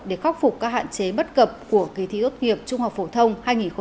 để khắc phục các hạn chế bất cập của kỳ thi tốt nghiệp trung học phổ thông